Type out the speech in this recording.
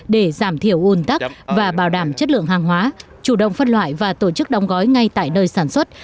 để giảm thiểu un tắc và bảo đảm chất lượng hàng hóa chủ động phân loại và tổ chức đóng gói ngay tại nơi sản xuất